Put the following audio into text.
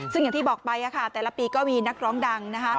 ซึ่งอย่างที่บอกไปแต่ละปีก็มีนักร้องดัง